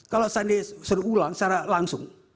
kalau saya disuruh ulang secara langsung